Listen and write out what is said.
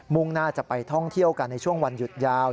่งหน้าจะไปท่องเที่ยวกันในช่วงวันหยุดยาว